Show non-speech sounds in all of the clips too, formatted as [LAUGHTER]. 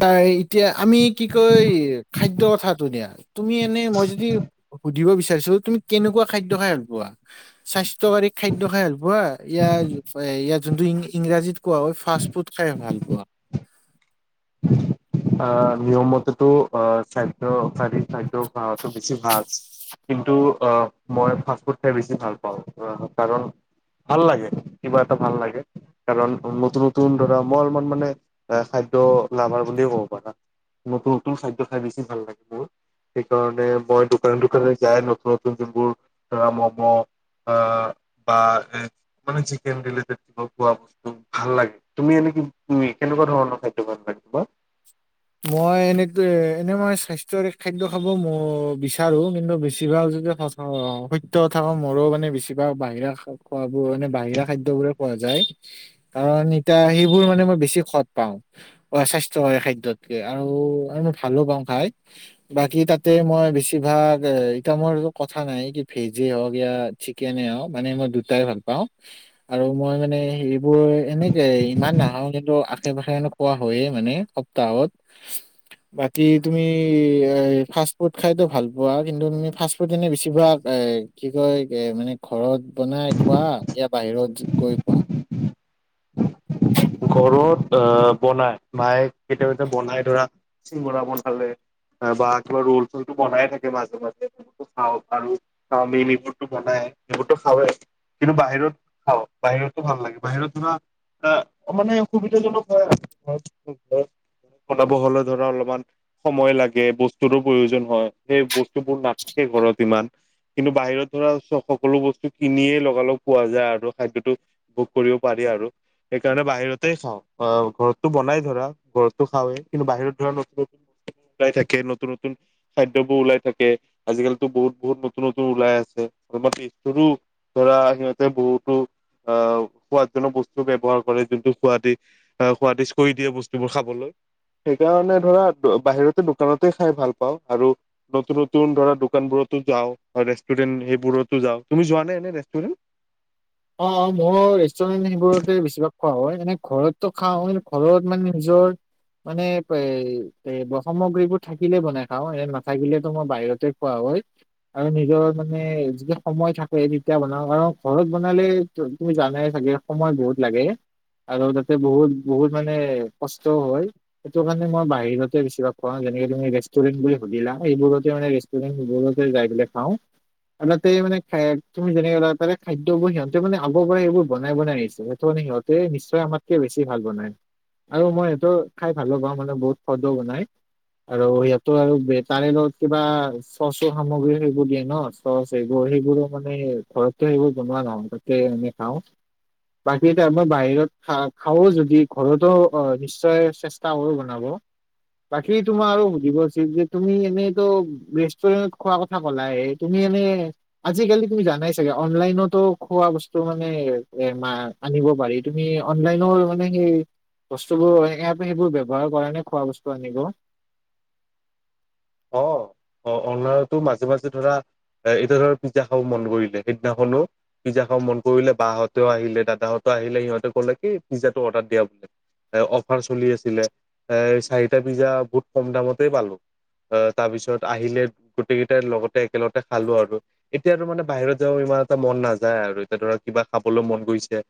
তাই এতিয়া আমি কি কয় খাদ্য কথাটো দিয়া তুমি এনে মই যদি সুধিব বিচাৰিছো, তুমি কেনেকুৱা খাদ্য খায় ভাল পোৱা? স্বাস্থ্যকাৰী খাদ্য খায় ভাল পোৱা ইয়াৰ ইয়াত যোনটো ইংৰাজীত কোৱা হয় ফাষ্ট ফুড খায় ভাল পোৱা? অ নিয়মমতেতো অ স্বাস্থ্যকাৰী খাদ্য খোৱাটো বেছি ভাল। কিন্তু আহ মই ফাষ্টফুড খায় বেছি ভাল পাওঁ, অহ কাৰণ ভাল লাগে কিবা এটা ভাল লাগে। কাৰণ নতুন নতুন ধৰা মই অলপমান মানে এ খাদ্য লাভাৰ বুলিয়ে কওঁ পাৰা, নতুন নতুন খাদ্য খায় বেছি ভাল লাগে মোৰ। সেইকাৰণে মই দোকানে দোকানে যায় নতুন নতুন যোনবোৰ ধৰা ম'ম' অঁ বা মানে এ মানে চিকেন ৰিলেটেড হওক বা ভাল লাগে তুমি এনেকে কি কেনেকুৱা ধৰণৰ খাদ্য ভাল লাগে তোমাৰ? মই এনেটো এ এনে মই স্বাস্থ্যকাৰী খাদ্য খাব ম বিচাৰো, কিন্তু বেছিভাগ যোনটো ফাষ্ট অ সত্য কথা কও মোৰো মানে বেছিভাগ বাহিৰা খা খোৱাবোৱা এনে বাহিৰা খাদ্যবোৰে খোৱা যায়। কাৰণ এতিয়া সেইবোৰ মানে মই বেছি সোৱাদ পাওঁ, অ স্বাস্থ্যকাৰী খাদ্যত আৰু আৰু মই ভালো পাওঁ খায়। বাকী তাতে মই বেছিভাগ এতিয়া মোৰ কথা নাই কি ভেজে হওঁক ইয়াত চিকেনে হওক মানে মই দুটাই ভাল পাওঁ। আৰু মই মানে সেইবোৰ এনেকে ইমান নাখাও কিন্তু আশে পাশে অলপ খোৱা হয়ে মানে সপ্তাহত। [INAUDIBLE] বাকী তুমি এ ফাষ্ট ফুড খাইতো ভাল পোৱা কিন্তু তুমি ফাষ্ট ফুড এনে বেছিভাগ এ কি কয় মানে ঘৰত বনাই খোৱা ই বাহিৰত গৈ খোৱা। ত অ বনাই মায়ে কেতিয়ও কেতিয়া বনাই ধৰা চিঙৰা বনালে বা কিবা ৰোল চলটো বনাই থাকে মাজে মাজে, খাওঁ আৰু চাওমিন এইবোৰটো বনাই এইবোৰটো খাওয়ে। কিন্তু বাহিৰত খাওঁ, বাহিৰতো ভাল লাগে বাহিৰত ধৰা আহ মানে সুবিধাজনক হয়, [INAUDIBLE] বনাব হলে ধৰা অলপমান সময় লাগে, বস্তুৰো প্ৰয়োজন হয় সেই বস্তুবোৰ নাথাকে ঘৰত ইমান কিন্তু বাহিৰত ধৰা সক-সকলো বস্তু কিনিয়েই লগালগ পোৱা যায় আৰু খাদ্যটো বুক কৰিব পাৰি আৰু। সেইকাৰণে বাহিৰত তেই খাওঁ অ ঘৰতটো বনাই ধৰা, ঘৰতটো খাৱেই কিন্তু বাহিৰত ধৰা নতুন নতুন বচ ওলাই থাকে নতুন নতুন খাদ্যবোৰ ওলাই থাকে। আজিকালিতো বহুত বহুত নতুন নতুন ওলাই আছে [UNINTELLIGIBLE] ধৰা সিহঁতে বহুতো আ সোৱাদজনক বস্তু ব্যৱহাৰ কৰে যোনটো সুৱাদি আ সুৱাদিছ কৰি দিয়ে বস্তুবোৰ খাবলৈ। সেইকাৰণে ধৰা ব বাহিৰতে দোকানতে খাই ভাল পাওঁ আৰু নতুন নতুন ধৰা দোকানবোৰতো যাওঁ, আ ৰেষ্টুৰেণ্ট সেইবোৰতো যাওঁ তুমি যোৱা নে এনে ৰেষ্টুৰেণ্ট? অ, মোৰ ৰেষ্টুৰেন্ট সেইবোৰতে বেছিভাগ খোৱা হয়, এনে ঘৰতটো খাওঁ কিন্তু ঘৰত মানে নিজৰ মানে প্ৰাই এই ব সামগ্ৰীবোৰ থাকিলে বনাই খাওঁ এনে নাথাকিলেতো মই বাহিৰতে খোৱা হয়। আৰু নিজৰ মানে যেতিয়া সময় থাকে তেতিয়া বনাওঁ আৰু ঘৰত বনালে তু তুমি জানায়ে চাগে সময় বহুত লাগে। আৰু তাতে বহুত বহুত মানে কষ্টও হয়। সেইটো কাৰণে মই বাহিৰতে বেছিভাগ খোৱা হয় যেনেকে তুমি ৰেষ্টুৰেন্ট বুলি সুধিলা সেইবোৰতে মানে ৰেচ টোৰেন সেইবিলাকতে যাই পেলাই খাওঁ। [UNINTELLIGIBLE] তাতেই মানে খাই তুমি যেনেকে কলা তাতে খাইদ [UNINTELLIGIBLE] সিহঁতে মানে আগৰ পৰাই সেইবোৰ বনাই বনাই আহিছে সেইটো মানে সিহঁতে নিশ্চয় আমাতকে বেছি ভাল বনাই। আৰু মই সিহতৰ খাই ভালো পাওঁ মানে বহুত সোৱাদো বনাই। আৰু সিহঁতৰ আৰু ব্ৰে তাৰে লগত কিবা চচৰ সামগ্ৰী সেবোৰ দিয়ে ন? চচ এইবোৰ সেইবোৰো মানে এ ঘৰতে সেইবোৰ বনোৱা নহয় তাকে [UNINTELLIGIBLE] খাওঁ। বাকী এতিয়া আমা বাহিৰত খাওঁ খাৱই যদি, ঘৰতো অ, নিশ্চয় চেছ তাও বনাব। বাকী তোমাৰ আৰু সুধিব আছিল যে তুমি এনেইতো [UNINTELLIGIBLE] ৰেষ্টুৰেনত খোৱা কথ কথা কলায়ে, তুমি এনে আজিকালি তুমি জানাই চাগে অনলাইনত টো খোৱা বস্তু মানে এ মা আনিব পাৰি তুমি অনলাইনৰ মানে সেই বস্তুবোৰ এ এপ সেইবোৰ ব্যৱহাৰ কৰা নে খোৱা বস্তু আনিব? অ, অ-অনলাইনতো মাজে মাজে ধৰা এ এতিয়া ধৰা পিজ্জা খাব মন কৰিলে সেইদিনাখনো পিজ্জা খাৱ মন কৰিলে বাহঁতেও আহিলে দাদাহঁতে আহিলে সিহঁতে ক'লে কি পিজ্জাটো অৰ্ডাৰ দিয়া বোলে এ অফাৰ চলি আছিলে, এই চাৰিটা পিজ্জা বহুত কম দামতেই পালোঁ। আহ তাৰ পিছত আহিলে গোটেই কেইটাই লগতে একেলগে খালোঁ আৰু। এতিয়াতো মানে বাহিৰত যাৱ ইমান এটা মন নাযায় আৰু এতিয়া ধৰা কিবা খাবলৈ মন গৈছে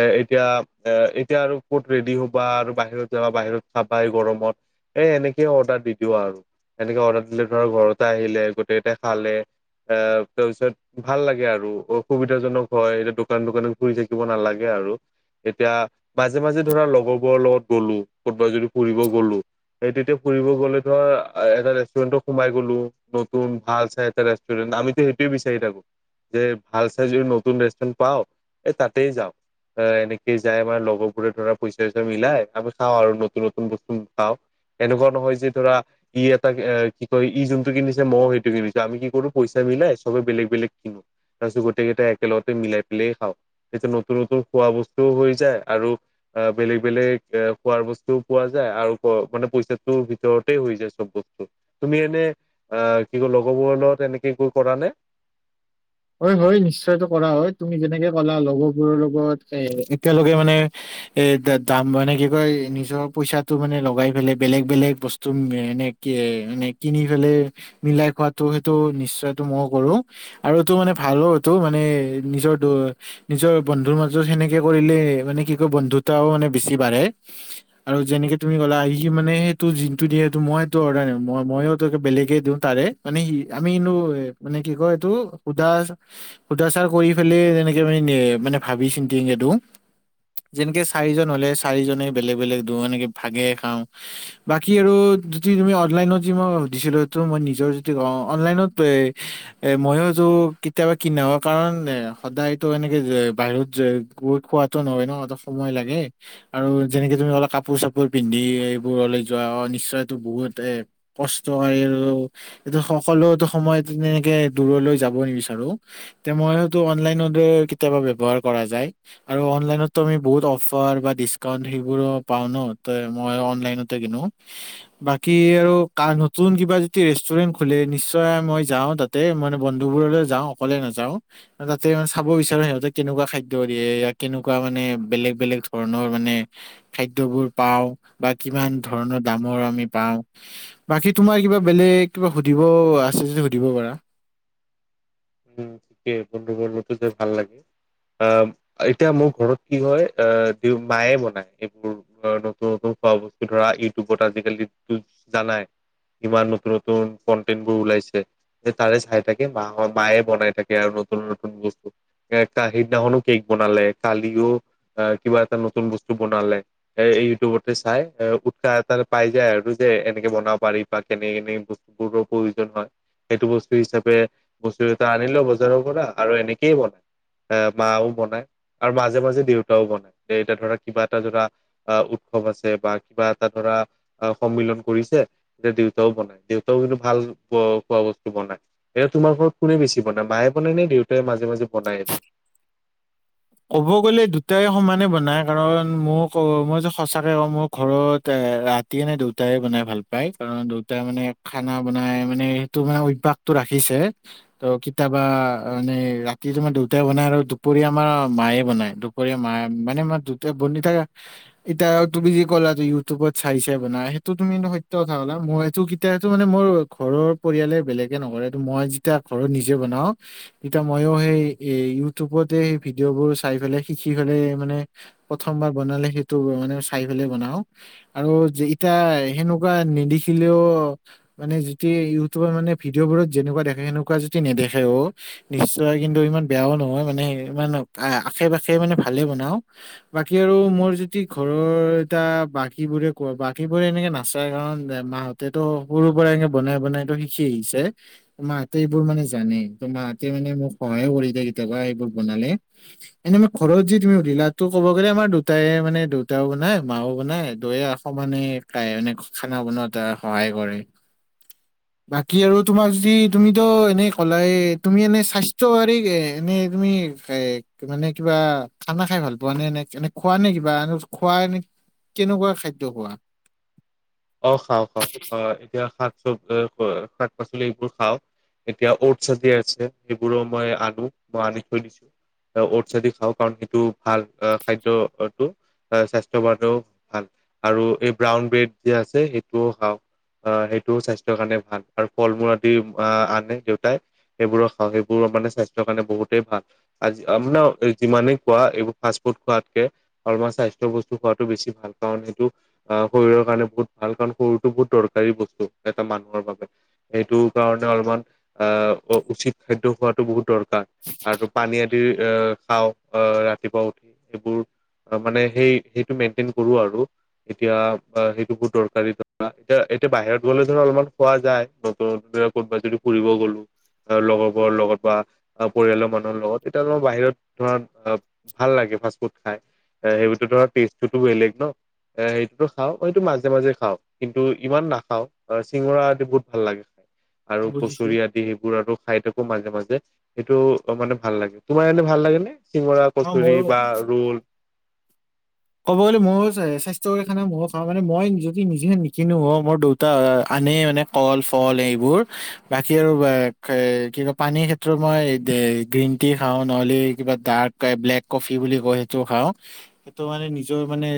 এ এতিয়া এ এতিয়া আৰু ক'ত ৰেডি হ'বা আৰু বাহিৰত যাবা, বাহিৰত খাবা এই গৰমত। এ এনেকে অৰ্ডাৰ দি দিওঁ আৰু, এনেকে অৰ্ডাৰ দিলে ধৰা ঘৰতে আহিলে, গোটেইটাই খালে এ তাপিছত ভাল লাগে আৰু অসুবিধাজনক হয় এতিয়া দোকান দোকানত ঘুৰি থাকিব নালাগে আৰু এতিয়া, মাজে মাজে ধৰা লগৰবোৰৰ লগত গ'লো, ক'তবা যদি ফুৰিব গ'লো সেই তেতিয়া ফুৰিব গ'লে [UNINTELLIGIBLE] আহ এটা ৰেষ্টুৰেণ্টত সোমাই গ'লো, নতুন ভাল চাই এটা ৰেষ্টুৰেণ্ট আমিতো সেইটোৱে বিচাৰি থাকো যে ভাল চাই যই নতুন ৰেষ্টুৰেণ্ট পাওঁ, এই তাতেই যাওঁ। [UNINTELLIGIBLE] এনেকেই যাই আমাৰ লগৰবোৰে ধৰা পইচা ইচা মিলাই, আমি খাওঁ আৰু নতুন নতুন বস্তু পাওঁ। এনেকুৱা নহয় যে ধৰা ই এটা এ কি কয় ই যোনটো কিনিছে ময়ো সেইটো কিনিছো আমি কি কৰোঁ পইচা মিলাই চবে বেলেগ বেলেগ কিনো। তাপিছত গোটেইকেইটাই একেলগতে মিলাই পেলাই খাওঁ, তেতিয়া নতুন নতুন খোৱা বস্তুও হৈ যায় আৰু আ বেলেগ বেলেগ এ খোৱাৰ বস্তুও পোৱা যায় আৰু প মানে পইচাটোও ভিতৰতে হৈ যায় [UNINTELLIGIBLE] তুমি এনে অ, [UNINTELLIGIBLE] লগৰবোৰৰ লগত এনেকে গৈ কৰা নে? হয়, হয়, নিশ্চয়তো কৰা হয়। তুমি যেনেকে ক'লা, লগৰবোৰৰ লগত এতিয়ালগে মানে এ, দাম মানে কি কয়, নিজৰ পইচাটো মানে লগাই পেলাই, বেলেগ-বেলেগ বস্তু এনে এ, মানে কিনি পেলাই মিলাই খোৱাটো, সেইটো নিশ্চয়তটো মই কৰো, আৰু টো মানে ভালো এইটো, মানে নিজৰ নিজৰ বন্ধুৰ মাজত সেনেকে কৰিলে, মানে কি কয়, বন্ধুতাও মানে বেছি বাঢ়ে। আৰু যেনেকে তুমি ক'লা, সি মানে সেইটো যিনটো দিয়ে সেইটো মই সেইটো অৰ্ডাৰ [UNINTELLIGIBLE] মইটো বেলেগে দিওঁ তাৰে। মানে সি আমিনো, মানে কি কয় এইটো [UNINTELLIGIBLE] সুধা চাৰ কৰি পেলাই তেনেকে মানে মানে ভাবি-চিন্তি [UNINTELLIGIBLE] যেনেকে চাৰিজন হ'লে, চাৰিজনে বেলেগ-বেলেগ দিও এনেকে ভাগে খাওঁ বাকী আৰু, যদি তুমি অনলাইনত যি মই সুধিছিলোটো মই নিজৰ যদি কওঁ অনলাইনত এ [UNINTELLIGIBLE] কেতিয়াবা কিনা হয়, কাৰণ এ সদায়তো এনেকে যে বাহিৰত গৈ খোৱা টো নহয় ন, [UNINTELLIGIBLE] সময় লাগে। আৰু যেনেকে তুমি অলপ কাপোৰ-চাপোৰ পিন্ধি এইবোৰলৈ যোৱা, নিশ্চয়তো বহুত এ [UNINTELLIGIBLE] [UNINTELLIGIBLE] আৰু অনলাইনত আমি বহুত অফাৰ বা ডিচকাউন্ট সেইবিলাক পাও ন, [UNINTELLIGIBLE] মই অনলাইনত তে কিনো। বাকী আৰু, নতুন কিবা যদি ৰেষ্টুৰেন্ট খোলে, নিশ্চয় মই যাও তাতে, মানে বন্ধ বোৰলৈ যাওঁ, অকলে নাযাওঁ। তাতে মানে চাব বিচাৰো, সিহঁতে কেনেকুৱা খাদ্য দিয়ে, কেনেকুৱা মানে বেলেগ-বেলেগ ধৰণৰ মানে খাদ্যবোৰ পাও বা কিমান ধৰণৰ দামৰ আমি পাও। বাকী, তোমাৰ কিবা বেলেগ কিবা সুধিব আছে যদি সুধিব পাৰা। উম, তাকে বন্ধু বোৰৰ লগত যায় ভাল লাগে। অ, এতিয়া মোৰ ঘৰত কি হয়, মায়ে বনায় এইবোৰ নতুন-নতুন খোৱা বস্তু ধৰা, ইউটিউবত আজিকালিটো জানাই। ইমান নতুন-নতুন কনটেনট বোৰ ওলাইছে, এ তাৰে চাই থাকে, মাহ মায়ে বনাই থাকে আৰু নতুন-নতুন বস্তু, এ, সিদিনাখনো কেক বনালে, কালিও আহ, কিবা এটা নতুন বস্তু বনালে। এ, ইউটিউবতে চাই, এ, উৎসাহ এ পাই যায় আৰু যে এনেকে বনাব পাৰি বা কেনে-কেনে বস্তু [UNINTELLIGIBLE] প্ৰয়োজন হয়, সেইটো বস্তু হিচাপে বস্তু দুটা আনিলো বজাৰৰ পৰা আৰু এনেকেই বনাই, এ মাও বনাই। আৰু মাজে-মাজে দেউতাও বনাই, দেউতা ধৰা, কিবা এটা ধৰা আহ, উৎসৱ আছে বা কিবা এটা ধৰা, সন্মিলন কৰিছে যে দেউতাও বনাই, দেউতাও কিন্তু ভাল খোৱা বস্তু বনাই। তোমাৰ ঘৰত কোনে বেছি বনায়? মায়ে বনাই নে, দেউতাই মাজে-মাজে বনাই এইবোৰ? ক'ব গ'লে দুটাই সমানে বনায়, কাৰণ মোক মই যে সঁচাকৈ কওঁ মই ঘৰত ৰা তি [UNINTELLIGIBLE] দেউতাই বনাই ভাল পায়, কাৰণ দেউতাই মানে খানা বনাই, মানে সেইটো মানে অভ্যাসটো ৰাখিছে ত, কেতিয়াবা মানে ৰাতি তোমাৰ দেউতা বনাই আৰু দুপৰীয়া আমাৰ মায়ে বনাই, দুপৰীয়া মায় মানে [UNINTELLIGIBLE] এতিয়া তুমি যে ক'লা ইউটিউবত চাই-চাই বনাই, সেইটো তুমি সত্য কথা ক'লা, মইটো সেইটো মানে মোৰ ঘৰৰ পৰিয়ালে বেলেগে নকৰে, এইটো মই যেতিয়া ঘৰত নিজে বনাও তেতিয়া মই ও সেই এ ইউটিউবতে সেই ভিডিঅ'বোৰ চাই পেলাই, শিকি পেলাই মানে প্ৰথমবাৰ বনালে সেইটো মানে চাই পেলাই বনাও। আৰু যেইটা সেনেকুৱা নেদেখিলেও মানে, যদি ইউটিউবৰ মানে, ভিডিঅবোৰত যেনেকুৱা দেখে, সেনেকুৱা যদি নেদেখে অ'। নিশ্চয় কিন্তু, ইমান বেয়াও নহয় মানে। ইমান, আশে-পাশে মানে, ভালে বনাওঁ। বাকী আৰু মোৰ যদি, ঘৰৰ এটা, বাকীবোৰে কোৱা, বাকীবোৰে এনেকে নাচাই। কাৰণ, মাহঁত তেতো সৰুৰ পৰা, এনেকে বনাই-বনাই শিকি আহিছে। মাহঁতে এইবোৰ মানে, জানে। ত' মাহঁতে মানে, মোক সহায়ো কৰি দিয়ে, কেতিয়াবা এইবোৰ বনালে। এনে, মই ঘৰত যি তুমি উঠিলা, তো ক'ব গ'লে, আমাৰ দুটায়ে মানে, দেউতাও বনাই, মাও বনাই, দুয়ো। সমানে [UNINTELLIGIBLE] মানে, খানা বনোৱাত সহায় কৰে। [INAUDIBLE] বাকী আৰু তোমাক যদি, তুমিতো এনেই ক'লাই, তুমি এনে, স্বাস্থ্য [UNINTELLIGIBLE] এনে তুমি খাই, মানে কিবা, খানা খাই ভালপোৱানে? নে এনে, খোৱানে কিবা? খোৱা এনে কেনেকুৱা খাদ্য খোৱা? অ'! খাওঁ-খাওঁ। অ'! এতিয়া, শাক চব শাক-পাচলিবোৰ খাওঁ। এতিয়া, অটছ আদি আছে, সেইবোৰো মই আনোঁ, মই আনি থৈ দিছোঁ। অটছেদি খাওঁ। কাৰণ, সেইটো ভাল খাদ্য, সেইটো। হয়, স্বাস্থ্য বাবেও ভাল। আৰু এই, ব্ৰাউন ব্ৰেড যে আছে, সেইটোও খাওঁ। অ' সেইটোও স্বাস্থ্যৰ কাৰণে ভাল! আৰু ফল-মূল আদি আঁ আনে, দেউতাই। সেইবোৰো খাওঁ, সেইবোৰো মানে, স্বাস্থ্যৰ কাৰণে বহুতেই ভাল! আজি, আপোনাৰ যিমানেই খোৱা, এইবোৰ ফাষ্ট- ফুড খোৱাতকে [UNINTELLIGIBLE] স্বাস্থ্য বস্তু খোৱাটো বেছি ভাল! কাৰণ সেইটো, অ' শৰীৰৰ কাৰণে, বহুত ভাল! কাৰণ, সৰুটো বহুত দৰকাৰী বস্তু, এটা মানুহৰ বাবে। সেইটো কাৰণে অলপমান, আঁ উচিত খাদ্য খোৱাটো বহুত দৰকাৰ। আৰু পানী আদিৰ আঁ খাওঁ। আঁ ৰাতিপুৱা উঠি, এইবোৰ। মানে সেই, সেইটো মেইন্টেইন কৰোঁ আৰু। এতিয়া, [UNINTELLIGIBLE] বহুত দৰকাৰী [UNINTELLIGIBLE] এতিয়া, এতিয়া বাহিৰত গ'লে ধৰা, অলপমান খোৱা যায়। নতুন [UNINTELLIGIBLE] ক'ৰবাত যদি ফুৰিব গ'লো। লগৰবোৰৰ লগত বা পৰিয়ালৰ মানুহৰ লগত। এতিয়া [UNINTELLIGIBLE] বাহিৰত ধৰা, অ' ভাল লাগে, ফাষ্টফুড খায়! এ, সেইবোৰতো ধ, টেষ্টো বেলেগ ন'! এ, সেইটোতো খাওঁ। এইটো মাজ মাজে-মাজে খাওঁ। কিন্তু, ইমান নাখাওঁ, চিঙৰা আদি বহুত ভাল লাগে! আৰু বুজিছো কচৰি আদি সেইবোৰ আৰু খাই থাকোঁ, মাজে-মাজে। সেইটো, অ' মানে, ভাল লাগে। তোমাৰ এনে ভাল লাগেনে? চিঙৰা, অ কচৰি মোৰো বা ৰোল। ক'ব গ'লে, মইয়ো স্বাস্থ্যকৰ খানা মইয়ো খাওঁ। মানে, মই যদি নিজে নিকিনো, অ' মোৰ দেউ তা আনে মানে, কল-ফল এইবোৰ। বাকী আৰু [UNINTELLIGIBLE] কি কয়, পানীৰ ক্ষে ত্ৰ মই, [UNINTELLIGIBLE] গ্ৰীণ-টি খাওঁ, নহ'লে কিবা ডাৰ্ক, ব্লেক কফি বুলি কয়, সেইটো খাওঁ। ত' মানে, নিজৰ মানে,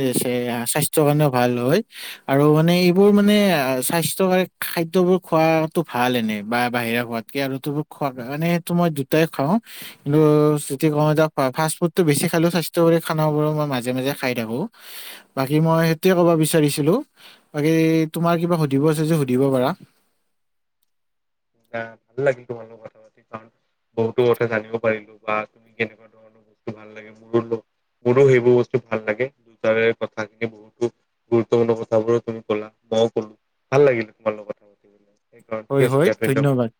স্বাস্থ্যৰ কাৰণেও ভাল হয়। আৰু মানে, এইবোৰ মানে, স্বাস্থ্যকৰ খাদ্যবোৰ খোৱাটো ভাল এনে। বা বাহিৰে খোৱা আৰু [UNINTELLIGIBLE] বোৰ খোৱা নাই। মানে, সেইটো মই দুইটাই খাওঁ। কিন্তু, যদি কওঁ, এতিয়া ফাষ্ট-ফুডটো বেছি খালেওঁ, স্বাস্থ্যকৰি খানাবোৰ মই মাজে মাজে-মাজে খাই থাকোঁ। বাকী মই, সেইটোৱে ক'ব বিচাৰিছিলোঁ। বাকী, তোমাৰ কিবা সুধিব আছে যদি, সুধিব পাৰা? [UNINTELLIGIBLE] কাৰণ, বহুতো কথা জানিব পাৰিলোঁ বা তুমি কেনেকুৱা ধৰণৰ বস্তু ভাল লাগে, মোৰো মোৰো সেইবোৰ বস্তু ভাল লাগে। তাৰে কথাখিনি বহুতো গুৰুত্বপূৰ্ণ কথাবোৰো তুমি ক'লা, মই ক'লোঁ। ভাল লাগিলে তোমৰ লগত! কথা পাতি সেইকাৰণে ঠিক হয়, আছে হয়, দিয়া ধন্যবাদ।